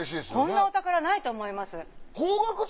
こんなお宝ないと思います。